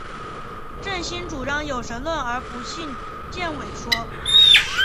郑兴主张有神论而不信谶纬说。